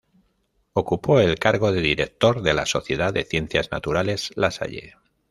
Ocupó el cargo de Director de la Sociedad de Ciencias Naturales La Salle.